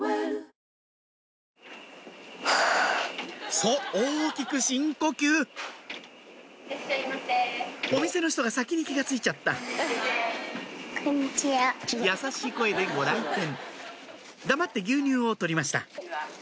そう大きく深呼吸お店の人が先に気が付いちゃった優しい声でご来店黙って牛乳を取りました